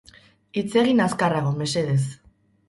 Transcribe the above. Hitz egin azkarrago, mesedez.